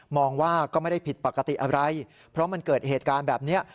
องว่าก็ไม่ได้ผิดปกติอะไรเพราะมันเกิดเหตุการณ์แบบนี้